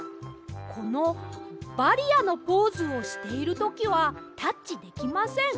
この「バリアのポーズ」をしているときはタッチできません。